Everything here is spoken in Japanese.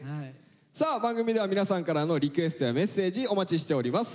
さあ番組では皆さんからのリクエストやメッセージお待ちしております。